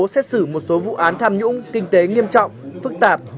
xét xử một số vụ án tham nhũng kinh tế nghiêm trọng phức tạp